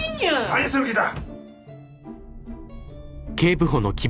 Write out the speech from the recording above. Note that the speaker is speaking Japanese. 何する気だ！